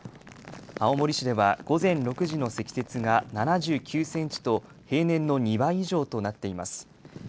青森市では午前６時の積雪が７９センチと、平年の２倍以上となっています。